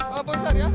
bagaimana besar ya